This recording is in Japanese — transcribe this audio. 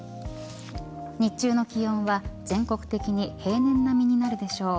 日中の気温は全国的に平年並みになるでしょう。